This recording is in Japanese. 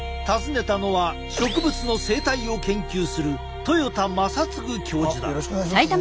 訪ねたのは植物の生態を研究する豊田正嗣教授だ。